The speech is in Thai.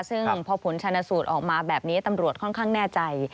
ซึ่งพอผลชนสูตรออกมาแบบนี้ตำรวจค่อนข้างแน่ใจ